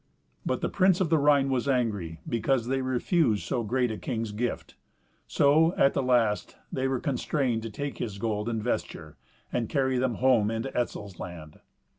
But the prince of the Rhine was angry because they refused so great a king's gift. So, at the last, they were constrained to take his gold and vesture, and carry them home into Etzel's land.